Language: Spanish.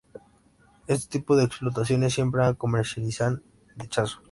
Este tipo de explotaciones, siempre comercializan lechazo.